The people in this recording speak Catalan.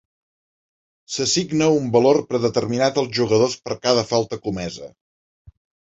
S'assigna un valor predeterminat als jugadors per cada falta comesa.